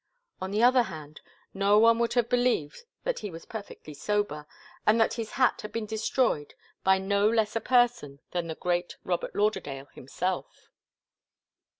On the other hand, no one would have believed that he was perfectly sober, and that his hat had been destroyed by no less a person than the great Robert Lauderdale himself.